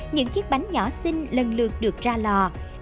những chiếc bánh nhỏ xinh lần lượt được ra lò